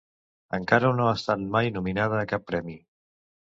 Encara no ha estat mai nominada a cap premi.